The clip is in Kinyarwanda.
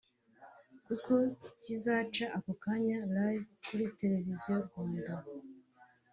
kuko kizaca ako kanya (Live) kuri Televiziyo y’u Rwanda